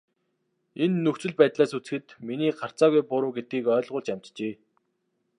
Энэ нөхцөл байдлаас үзэхэд миний гарцаагүй буруу гэдгийг ойлгуулж амжжээ.